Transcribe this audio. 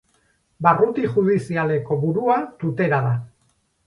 Barruti judizialeko burua Tutera da.